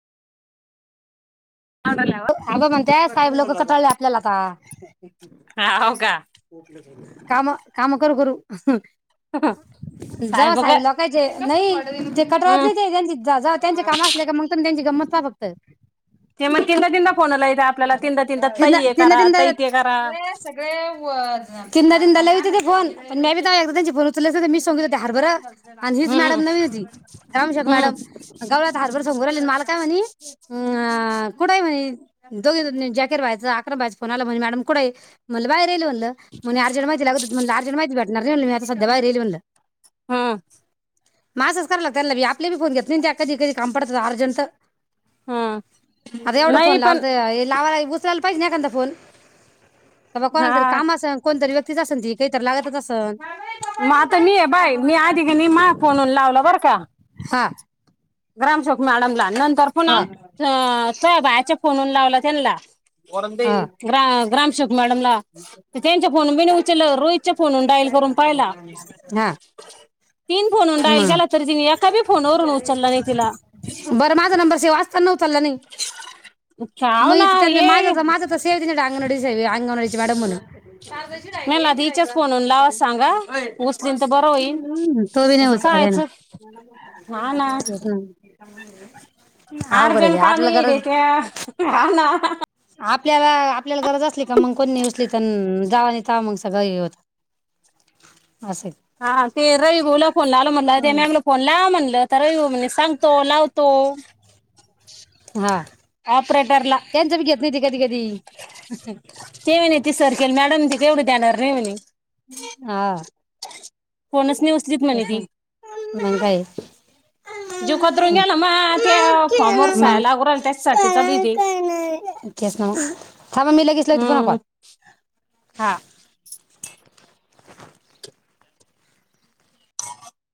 हाव अस म्हणत्या साहेब लोक कंटाळले आपल्याला आता [inaudible] हा हाव का? काम काम करू करू जावा साहेब लोकांचे नाइ जे कट रात हम्म नाही ते त्यांची काम असली की मंग त्यांची [unintelligible] फक्त ते म्हणतील का तीनदा कोनाला हे आपल्याला तीनदा तीनदा तीन ताई हे तीनदा करा तीनदा ताई ते करा तीनदा तीनदा लई येत व्हतं फोन पण म्या बी तवा एकदा त्यांच उचलल नाही मी सोलत व्हते हरबर आणि हीच हम्म मॅडम नवीन होती ग्रामसेवक हम्म मॅडम गवळ्याच्या हरबऱ्यासंग उभ राहिली आणि मला काय म्हणली आ [unintelligible] व्हायचं आक्रमक कुणाला म्हणलं मॅडम कुंड ये म्हणलं बाहेर येल म्हणलं त म्हणून अर्जंट माहिती लागत होती म्हनल अर्जंट माहिती भेटणार दोनवेळच सध्या बाहिरइल म्हणल हं मल असच करालत त्यानं ला बी आपली बी फोन घेत नाइत त्या कधी कधी काम पडतात अर्जंत हम्म आता एवढा फोन नाही पण लावला त लावलंय उचला पाहिजेनं एखांदा फोन हे ब कोणाला तर हा काम असण कोण तरी व्य तीच असनं ती काहीतरी लागतच असन आता मी बाय मी आधी कणी माया फोन वरून लावला बर का? हा ग्रामसेवक मॅडमला नन तर हा पुन्हा [inaudible] तोया बाया चप फोनहुन लावला त्यानला हा ग्रा ग्रामसेवक मॅडमला त तेंचा फोन बीन उ [inaudible] च्या फोनहुन डाईल करून पाहिला हा तीन फोनहुनं डाईल मग झाला तरी तिनं एका बी फोनवरून ऊ बरं माझा नंबर सेव असताना चालला नाही हाव मै ना तर माजा हे च ते माज अंगणवाडी सेवि अंगणवाडी मॅडम म्हणून मॅम आधी हीच्याच फोनवून लावाया सांगा उचलीन तर बरं होईन. हम्म, तो बी नाही उचला त्यानं. हा ना तेचं ना [inaudible] अवघड आहे लय. अर्जंट काम आपल्याला गरज येत्यात्या हा ना. त्याला आपल्याला गरज असली का मग कोण नाही उचलीत हं [unintelligible] सगळं हे होतं हा ते र ती बोलल्यावर फोन लावल म्हटलं आधी हम्म. मी फोन लावा म्हटलं [unintelligible] म्हणे सांगतो लावतो हा ऑपरेटरला त्यांचं बी घेत नाही ती [inaudible] ते म्हणे ते सर केले मॅडम ती तेवढं देणार नाही म्हणे? हा.. फोनच नाही उचलीत म्हणे तेच ना ती मग काय जीव खतरून गेला माझा त्या फॉर्मवर सह्या मग लागू राहिल्या त्याच्यासाठी चालली ती तेच ना थांबा मी लगेच लावती पुन्हा कॉल. हा